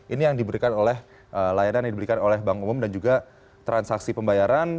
ini yang diberikan oleh layanan yang diberikan oleh bank umum dan juga transaksi pembayaran